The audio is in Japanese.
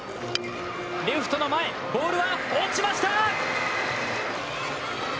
レフトの前、ボールは落ちました！